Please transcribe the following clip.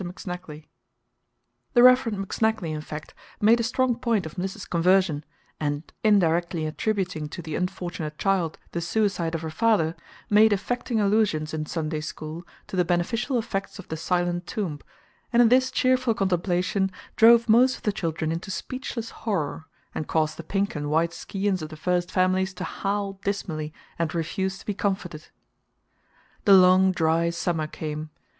McSnagley." The Rev. McSnagley, in fact, made a strong point of Mliss's conversion, and, indirectly attributing to the unfortunate child the suicide of her father, made affecting allusions in Sunday school to the beneficial effects of the "silent tomb," and in this cheerful contemplation drove most of the children into speechless horror, and caused the pink and white scions of the first families to howl dismally and refuse to be comforted. The long dry summer came.